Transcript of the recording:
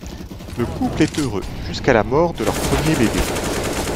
Le couple est heureux jusqu'à la mort de leur premier bébé.